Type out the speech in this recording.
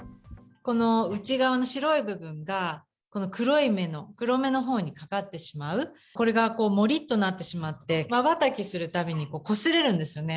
この内側の白い部分が、この黒い目の、黒目のほうにかかってしまう、これがもりっとなってしまって、瞬きするたびにこすれるんですよね、